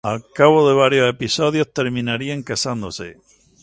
Al cabo de varios episodios terminarían casándose.